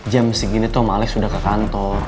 jam segini tuh om alex udah ke kantor